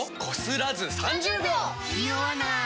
ニオわない！